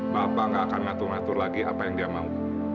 bapak gak akan ngatur ngatur lagi apa yang dia mau